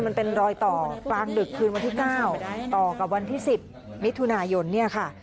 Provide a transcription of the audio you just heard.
มันเป็นรอยต่อกลางดึกคืนวันที่๙ต่อกับวันที่๑๐มิถุนายนเนี่ยค่ะ